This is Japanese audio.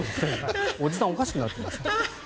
おじさんおかしくなっています。